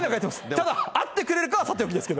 ただ会ってくれるかはさておきですけど。